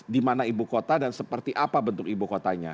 dimana ibu kota dan seperti apa bentuk ibu kotanya